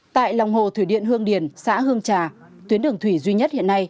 tại lòng hồ thủy điện hương điền xã hương trà tuyến đường thủy duy nhất hiện nay